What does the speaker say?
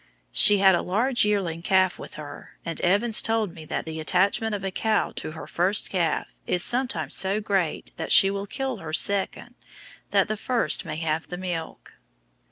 She had a large yearling calf with her, and Evans told me that the attachment of a cow to her first calf is sometimes so great that she will kill her second that the first may have the milk.